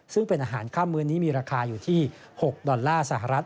ซึ่งเป็นอาหารข้ามมื้อนี้มีราคาอยู่ที่๖ดอลลาร์สหรัฐ